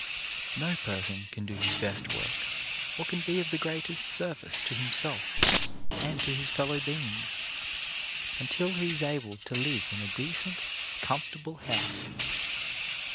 No person can do his best work, or can be of the greatest service to himself and to his fellow beings, until he is able to live in a decent, com fortable house.